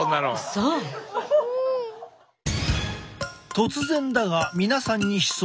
突然だが皆さんに質問だ。